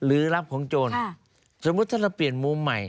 อืม